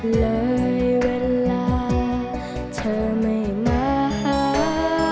เลยเวลาเธอไม่มาหา